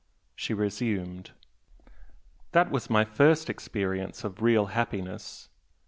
She resumed "That was my first experience of real 'happiness.'